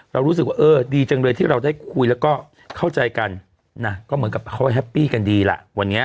เรารู้สึกว่าเออดีจังเลยที่เราได้คุยแล้วก็เข้าใจกันนะก็เหมือนกับเขาก็แฮปปี้กันดีล่ะวันนี้